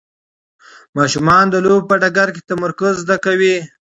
ماشومان د لوبو په ډګر کې تمرکز زده کوي.